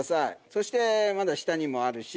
そしてまだ下にもあるし。